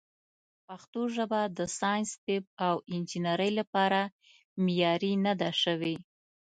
پښتو ژبه د ساینس، طب، او انجنیرۍ لپاره معیاري نه ده شوې.